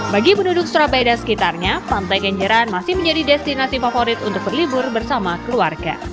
bagi penduduk surabaya dan sekitarnya pantai kenjeran masih menjadi destinasi favorit untuk berlibur bersama keluarga